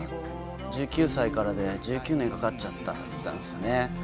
１９歳からで１９年かかっちゃったって言ったんですね。